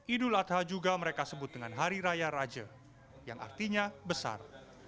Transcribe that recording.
idul adha juga mereka sebut dengan hari raya raja yang artinya besar